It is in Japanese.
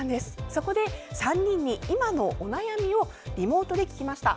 そこで３人に今のお悩みをリモートで聞きました。